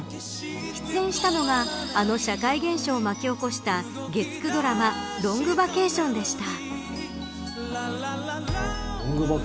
出演したのが、あの社会現象を巻き起こした月９ドラマロングバケーションでした。